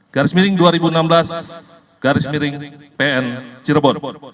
garis miring dua ribu enam belas garis miring pn cirebon